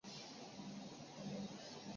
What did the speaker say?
今存有康熙三年宛平于藻庐陵刻本。